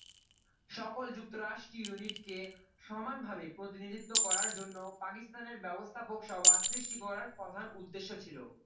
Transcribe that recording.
সকল যুক্তরাষ্ট্রিয় ইউনিট কে সমান ভাবে প্রতিনিধিত্ব করার জন্য পাকিস্তানের ব্যবস্থাপক সভা সৃষ্টি করার প্রধান উদ্দেশ্য ছিল।